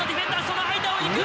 その間をいく！